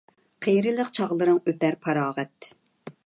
قېرىلىق چاغلىرىڭ ئۆتەر پاراغەت